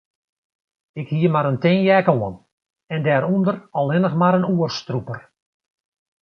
Ik hie mar in tin jack oan en dêrûnder allinnich mar in oerstrûper.